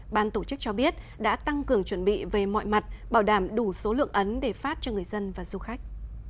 ban tổ chức cho biết đã tăng cường chuẩn bị về mọi mặt bảo đảm đủ số lượng ấn để phát cho người dân và du khách